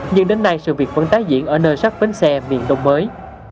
nhưng đến nay sự việc vẫn tái diễn ở nơi sắp bến xe miền đông mới